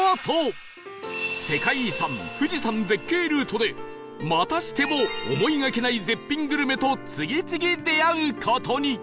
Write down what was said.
世界遺産富士山絶景ルートでまたしても思いがけない絶品グルメと次々出会う事に